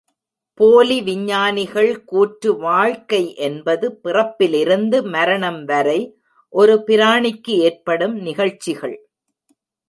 போலி விஞ்ஞானிகள் கூற்று வாழ்க்கை என்பது பிறப்பிலிருந்து மரணம் வரை ஒரு பிராணிக்கு ஏற்படும் நிகழ்ச்சிகள்.